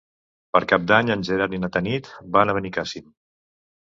Per Cap d'Any en Gerard i na Tanit van a Benicàssim.